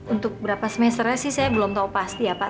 untuk berapa semesternya sih saya belum tahu pasti ya pak